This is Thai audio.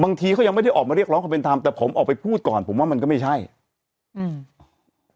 เขายังไม่ได้ออกมาเรียกร้องความเป็นธรรมแต่ผมออกไปพูดก่อนผมว่ามันก็ไม่ใช่อืม